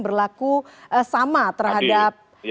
berlaku sama terhadap